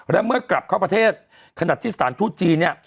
และเมื่อกลับเข้าประเทศขนาดที่สถานทูตจีนเนี่ย